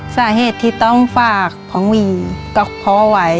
สาเหตุที่ต้องฝากท้องหวีกับพ่อไว้